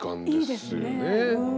いいですね。